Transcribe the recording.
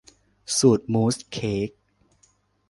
สูตรมูสเค้ก